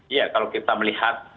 iya kalau kita melihat